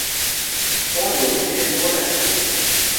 Ordnung in der Vorderpfalz.